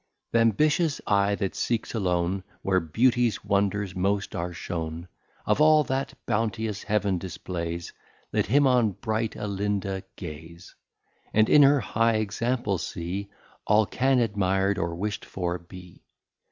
I. Th'ambitious Eye that seeks alone, Where Beauties Wonders most are shown; Of all that bounteous Heaven displays, Let him on bright Alinda gaze; And in her high Example see, All can admir'd, or wisht for, be!